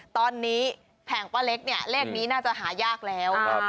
ตอนนี้แผงป้าเล็กเนี่ยเลขนี้น่าจะหายากแล้ว